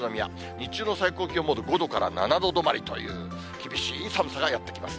日中の最高気温も５度から７度止まりという、厳しい寒さがやって来ます。